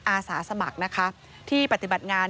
อาสาสมัครนะคะที่ปฏิบัติงาน